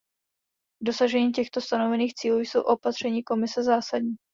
K dosažení těchto stanovených cílů jsou opatření Komise zásadní.